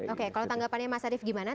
oke kalau tanggapannya mas arief gimana